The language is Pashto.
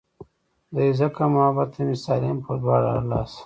دے ځکه محبت ته مې سالم پۀ دواړه السه